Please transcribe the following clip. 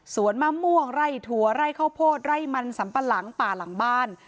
มะม่วงไร่ถั่วไร่ข้าวโพดไร่มันสัมปะหลังป่าหลังบ้าน